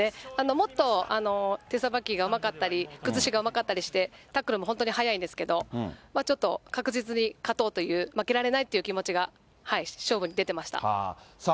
もっと手さばきがうまかったり、崩しがうまかったりして、タックルも本当に速いんですけど、ちょっと確実に勝とうという、負けられないという気さあ